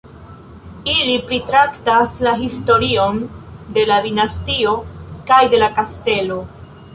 Ili pritraktas la historion de la dinastio kaj de la kastelo.